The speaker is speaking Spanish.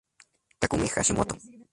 Takumi Hashimoto